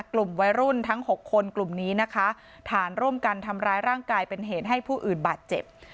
กลุ่มวัยรุ่นทั้ง๖คนกลุ่มนี้นะคะฐานร่วมกันทำร้ายร่างกายเป็นเหตุให้ผู้อื่นบาดเจ็บ